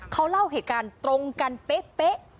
เขาเล่าเหตุการณ์ตรงกันเป๊ะ